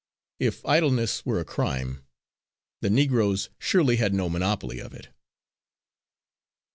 If idleness were a crime, the Negroes surely had no monopoly of it.